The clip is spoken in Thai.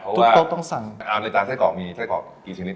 อาจารย์จาไส้กรอกมีไส้กรอกกี่ชนิด